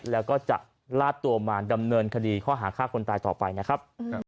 แล้วก็จะลาดตัวมาดำเนินคดีข้อหาฆ่าคนตายต่อไปนะครับ